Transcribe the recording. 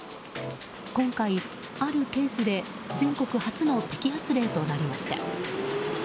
今回、あるケースで全国初の摘発例となりました。